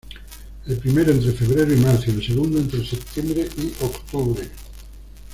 El primero entre febrero y marzo y el segundo entre setiembre y octubre.